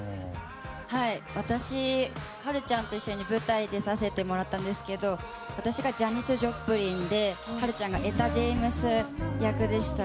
私、はるちゃんと一緒に舞台出させてもらったんですけど私、ジャニス・ジョプリンではるちゃんがエタ・ジェイムズ役でした。